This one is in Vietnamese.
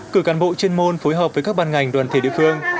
cử cán bộ chuyên môn phối hợp với các ban ngành đoàn thể địa phương